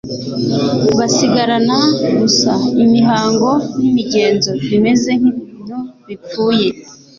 basigarana gusa imihango n'imigenzo bimeze nk'ibintu bipfuye.